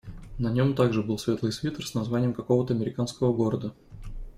На нём также был светлый свитер с названием какого-то американского города.